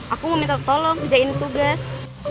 aku mau minta tolong kerjain tugas